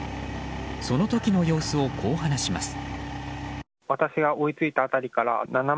その時の様子をこう話します。